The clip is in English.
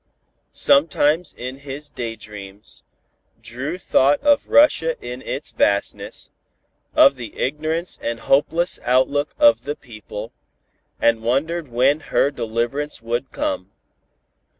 Sometimes in his day dreams, Dru thought of Russia in its vastness, of the ignorance and hopeless outlook of the people, and wondered when her deliverance would come.